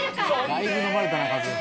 だいぶ飲まれたなカズ。